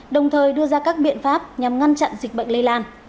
đồng thời đưa ra các biện pháp nhằm ngăn chặn dịch bệnh lây lan